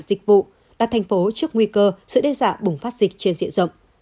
dịch vụ đặt thành phố trước nguy cơ sự đe dọa bùng phát dịch trên diện rộng